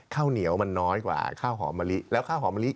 ข้าวเหนียวมันน้อยกว่าข้าวหอมมะลิ